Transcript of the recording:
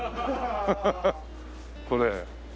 これ。